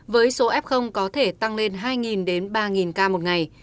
với số f có thể tăng lên hai ba ca một ngày